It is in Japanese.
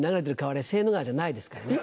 あれセーヌ川じゃないですからね。